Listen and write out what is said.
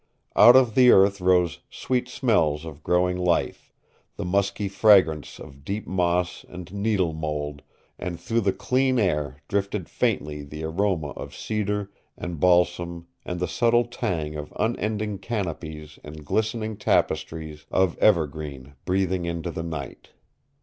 Out of the earth rose sweet smells of growing life, the musky fragrance of deep moss and needle mold, and through the clean air drifted faintly the aroma of cedar and balsam and the subtle tang of unending canopies and glistening tapestries of evergreen breathing into the night.